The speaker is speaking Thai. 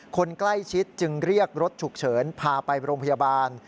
คนใกล้ชิดจึงเรียกรถฉุกเฉินพาไปโรงพยาบาล